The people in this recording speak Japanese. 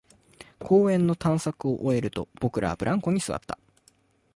公園の探索を終えると、僕らはブランコに座った